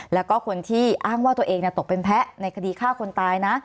แล้วก็คนที่อ้างว่าตัวเองตกเป็นแพ้ในคดีฆ่าคนตายนะ